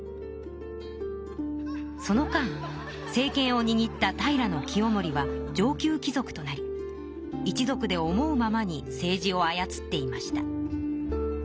その間政けんをにぎった平清盛は上級き族となり一族で思うままに政治をあやつっていました。